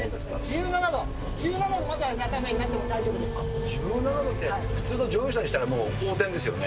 １７度、１７度までは斜めに１７度って、普通の乗用車にしたら横転ですよね。